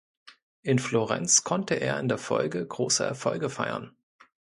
In Florenz konnte er in der Folge große Erfolge feiern.